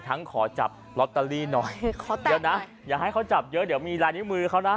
ขอจับลอตเตอรี่หน่อยขอจับเดี๋ยวนะอย่าให้เขาจับเยอะเดี๋ยวมีลายนิ้วมือเขานะ